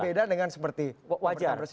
berbeda dengan seperti pemerintah sby